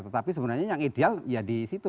tetapi sebenarnya yang ideal ya di situ